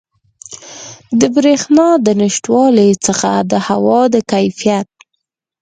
د بریښنا د نشتوالي څخه د هوا د کیفیت